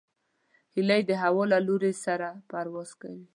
هیلۍ د هوا له لور سره پرواز کوي